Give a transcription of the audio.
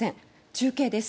中継です。